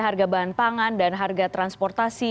harga bahan pangan dan harga transportasi